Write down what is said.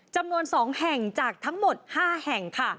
จำนวน๒แห่งจากทั้งหมด๕แห่งค่ะ